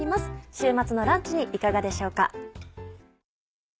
週末のランチにいかがでしょうか。